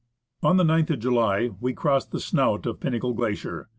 On the 9th of July we crossed the snout of Pinnacle Glacier.